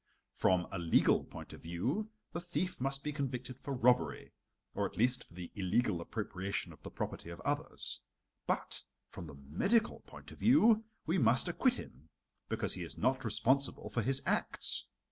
From a legal point of view, the thief must be convicted for robbery, or at least for the illegal appropriation of the property of others; but from the medical point of view, we must acquit him, because he is not responsible for his acts.